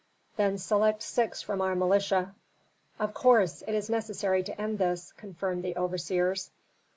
"Then select six from our militia." "Of course! It is necessary to end this," confirmed the overseers.